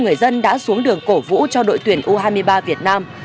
người dân vẫn tự hào vì chặng đường của u hai mươi ba việt nam